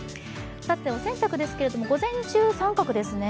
お洗濯ですけども、午前中△ですね？